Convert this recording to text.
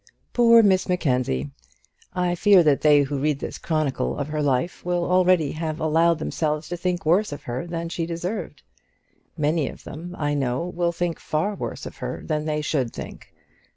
Poor Miss Mackenzie! I fear that they who read this chronicle of her life will already have allowed themselves to think worse of her than she deserved. Many of them, I know, will think far worse of her than they should think.